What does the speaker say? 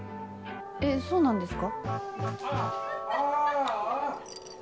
えっそうなんですか？